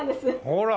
ほら。